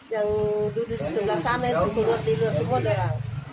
yang duduk di sebelah sana itu tidur tidur semua doa